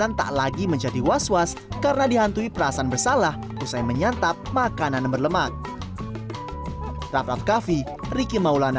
dan tak lagi menjadi was was karena dihantui perasaan bersalah usai menyantap makanan berlemak